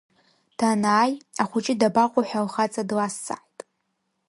Данааи, ахәыҷы дабаҟоу ҳәа лхаҵа длазҵааит.